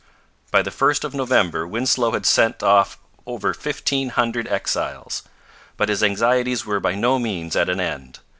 By the 1st of November Winslow had sent off over fifteen hundred exiles. But his anxieties were by no means at an end.